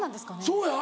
そうや。